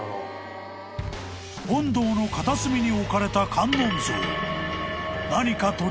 ［本堂の片隅に置かれた観音像］